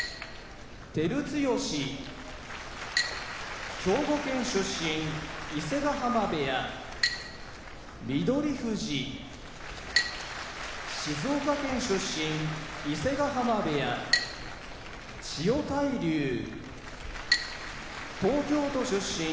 照強兵庫県出身伊勢ヶ濱部屋翠富士静岡県出身伊勢ヶ濱部屋千代大龍東京都出身